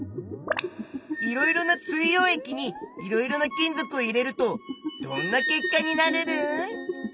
いろいろな水よう液にいろいろな金属を入れるとどんな結果になるルン？